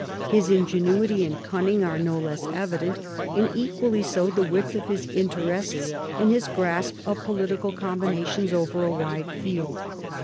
His ingenuity and cunning are no less evident, and equally so the width of his in terests and his grasp of political combinations over a wide field.